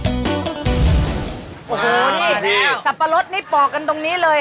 โอ้โหนี่สับปะรดนี่ปอกกันตรงนี้เลย